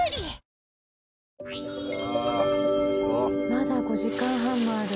まだ５時間半もある。